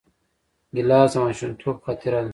ګیلاس د ماشومتوب خاطره ده.